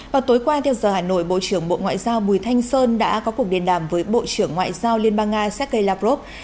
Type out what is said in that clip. vào tối qua theo giờ hà nội bộ trưởng bộ ngoại giao bùi thanh sơn đã có cuộc điện đàm với bộ trưởng ngoại giao liên bang nga sergei lavrov